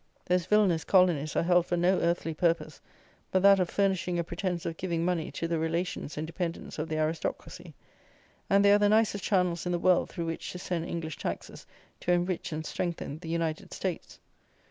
Those villanous colonies are held for no earthly purpose but that of furnishing a pretence of giving money to the relations and dependents of the aristocracy; and they are the nicest channels in the world through which to send English taxes to enrich and strengthen the United States.